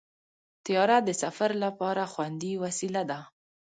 طیاره د سفر لپاره خوندي وسیله ده.